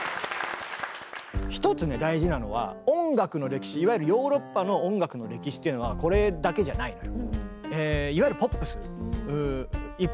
一つね大事なのは音楽の歴史いわゆるヨーロッパの音楽の歴史っていうのはこれだけじゃないのよ。